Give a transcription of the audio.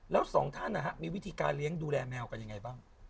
แล้วสองท่านมีวิธีการเลี้ยงดูแลแมวกันยังไงบ้าง